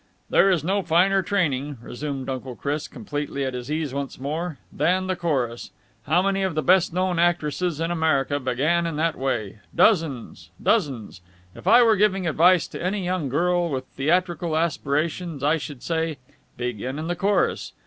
"There is no finer training," resumed Uncle Chris, completely at his ease once more, "than the chorus. How many of the best known actresses in America began in that way! Dozens. Dozens. If I were giving advice to any young girl with theatrical aspirations, I should say 'Begin in the chorus!'